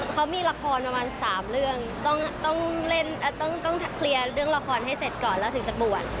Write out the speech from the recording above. เขามีละครประมาณ๓เรื่องต้องเล่นต้องเคลียร์เรื่องละครให้เสร็จก่อนแล้วถึงจะบวช